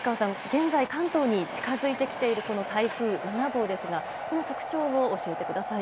現在、関東に近づいてきている台風７号ですがこの特徴を教えてください。